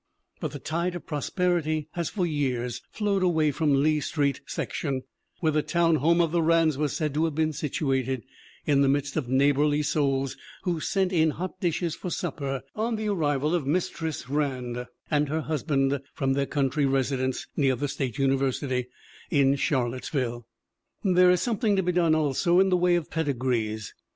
But the tide of prosperity has for years flowed away from Leigh Street section, where the town home of the Rands was said to have been situated, in the midst of neighborly souls who sent in hot dishes for supper on the arrival of Mistress Rand and her husband from their country residence near the State University, in Charlottesville." There is something to be done also in the way of pedigrees.